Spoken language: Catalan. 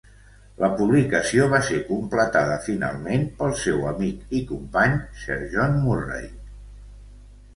La publicació va ser completada finalment pel seu amic i company Sir John Murray.